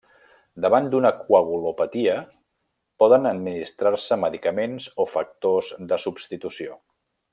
Davant d'una coagulopatia, poden administrar-se medicaments o factors de substitució.